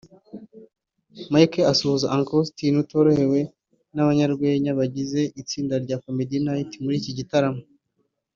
Michael asuhuza Uncle Austin utorohewe n'abanyarwenya bagize itsinda rya Comedy Knights muri iki gitaramo